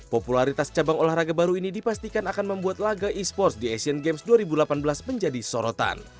popularitas cabang olahraga baru ini dipastikan akan membuat laga e sports di asian games dua ribu delapan belas menjadi sorotan